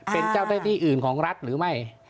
เป็นเจ้าหน้าที่อื่นของรัฐหรือไม่